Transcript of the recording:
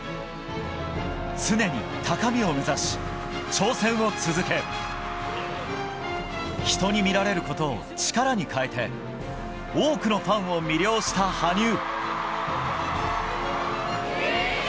常に高みを目指し、挑戦を続け、人に見られることを力に変えて、多くのファンを魅了した羽生。